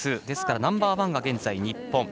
ですからナンバーワンが現在、日本。